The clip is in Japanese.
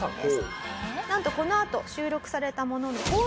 なんとこのあと収録されたものの。